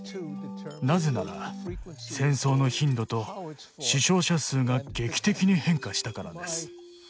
なぜなら戦争の頻度と死傷者数が劇的に変化したからです。